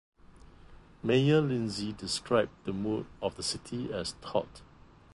Mayor Lindsay described the mood of the city as "taut".